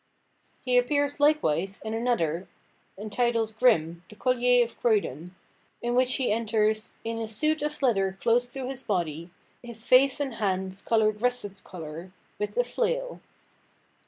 He appears, likewise, in another, entitled Grim, the Collier of Croydon, in which he enters "in a suit of leather close to his body; his face and hands coloured russet colour, with a flail."